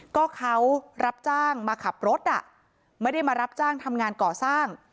ก็เขารับจ้างมาขับรถไม่ได้มารับจ้างทำงานก่อสร้าง